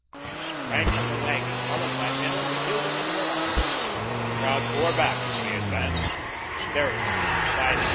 She sprang from the wagon, followed by Minna with Hilda in her arms. The crowd bore back as they advanced, staring at them in silence.